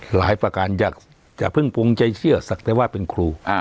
ประการอย่าเพิ่งปวงใจเชื่อสักแต่ว่าเป็นครู